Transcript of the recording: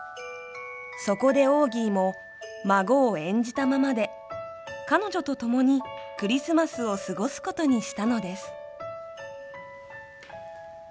そこでオーギーも孫を演じたままで彼女とともにクリスマスを過ごすことにしたのです。